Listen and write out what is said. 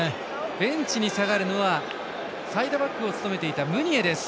ベンチに下がるのはサイドバックを務めていたムニエです。